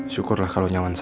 syukurlah kalau nyaman sa